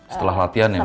setelah latihan ya mbak